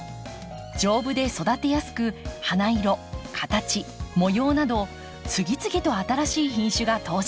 丈夫で育てやすく花色形模様など次々と新しい品種が登場。